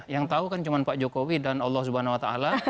yang tahu kan cuma pak jokowi dan allah swt